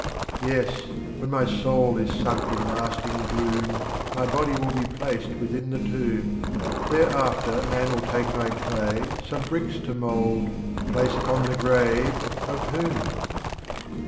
Yes, when my Soul is sunk in Lasting Gloom, My Body will be placed within the Tomb, Thereafter man will take my Clay, some Bricks To mould, to place upon the Grave — of Whom?